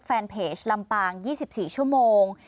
แฟนเพจลำปาง๒๔ชั่วโมง